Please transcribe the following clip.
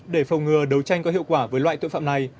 để phòng ngừa đấu tranh có hiệu quả với loại tội phạm này